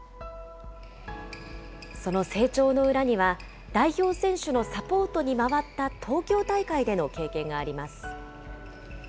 その成長の裏には、代表選手のサポートに回った東京大会での経験があります。